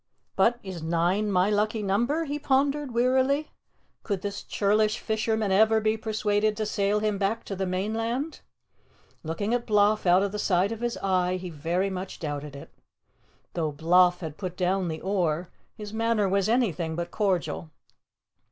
"But is NINE my lucky number?" he pondered wearily. Could this churlish fisherman ever be persuaded to sail him back to the mainland? Looking at Bloff out of the side of his eye, he very much doubted it. Though Bloff had put down the oar, his manner was anything but cordial.